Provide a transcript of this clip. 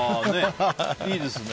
いいですね。